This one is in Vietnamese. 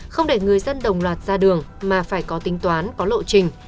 không để người dân đồng loạt ra đường mà phải có tính toán có lộ trình